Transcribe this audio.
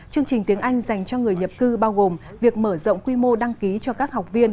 chương trình tiếng anh dành cho người nhập cư bao gồm việc mở rộng quy mô đăng ký cho các học viên